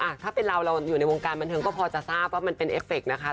ถ้าเป็นเราเราอยู่ในวงการบันเทิงก็พอจะทราบว่ามันเป็นเอฟเฟคนะคะ